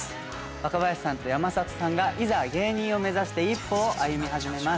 若林さんと山里さんがいざ芸人を目指して一歩を歩み始めます。